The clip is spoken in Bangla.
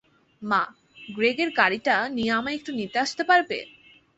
মা, গ্রেগের গাড়িটা নিয়ে আমায় একটু নিতে আসতে পারবে?